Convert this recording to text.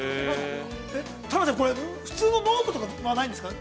◆タナちゃん、これ普通のノートとかはないんですか。